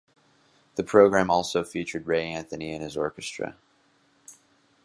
The program also featured Ray Anthony and his orchestra.